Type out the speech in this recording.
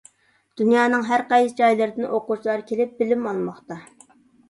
دۇنيانىڭ ھەر قايسى جايلىرىدىن ئوقۇغۇچىلار كېلىپ بىلىم ئالماقتا.